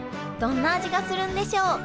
どんな味がするんでしょう？